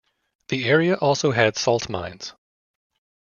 The area also had salt mines.